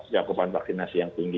jakupan vaksinasi yang tinggi